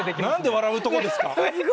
笑うとこですか？